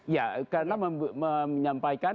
ya karena menyampaikan